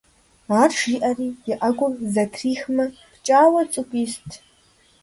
Ар жиӀэри, и Ӏэгур зэтрихмэ, пкӀауэ цӀыкӀу ист.